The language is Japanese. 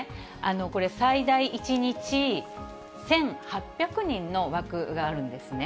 これ、最大１日１８００人の枠があるんですね。